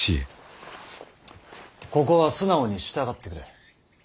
ここは素直に従ってくれ。